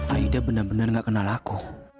aida benar benar gak kenal aku